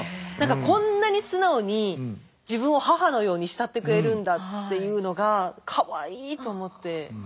こんなに素直に自分を母のように慕ってくれるんだっていうのがかわいいと思って演じてました。